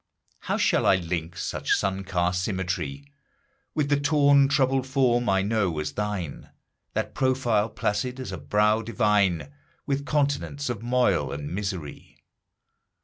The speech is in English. How shall I link such sun cast symmetry With the torn troubled form I know as thine, That profile, placid as a brow divine, With continents of moil and misery?